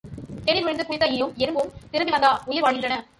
தேனில் விழுந்து குடித்த ஈயும் எறும்பும் திரும்பிவந்தா உயிர் வாழ்கின்றன?